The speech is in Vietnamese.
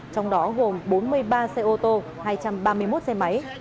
trong đó gồm bốn mươi ba xe ô tô hai trăm ba mươi một xe máy